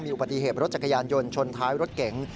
มีอุปดีเหตุเบาะรถจักรยานยนต์ชนท้ายรถเก๋ง